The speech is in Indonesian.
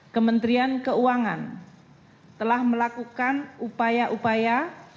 kementerian keuangan telah melakukan upaya upaya